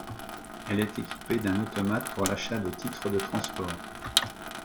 Elle est équipée d'un automate pour l'achat de titres de transports.